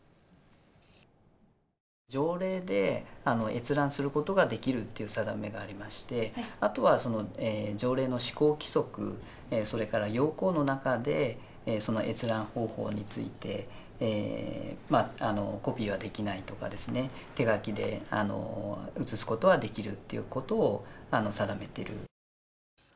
条例で閲覧することができるという定めがありましてあとは条例の施行規則、それから要綱の中でその閲覧方法についてコピーはできないとか手書きでうつすことができるということを定めている。